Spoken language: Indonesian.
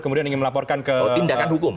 kemudian ingin melaporkan ke tindakan hukum